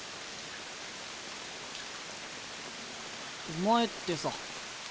お前ってさ